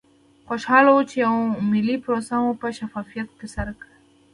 خوشحاله وو چې یوه ملي پروسه مو په شفافیت ترسره کړه.